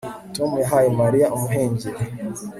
Tom yahaye Mariya umuhengeri